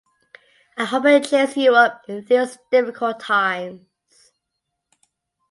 I hope it cheers you up in these difficult times.